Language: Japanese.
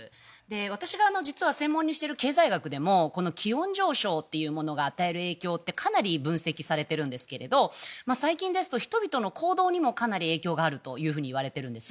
私が実は専門にしている経済学でも、気温上昇が与える影響はかなり分析されているんですが最近ですと人々の行動にもかなり影響があると言われているんです。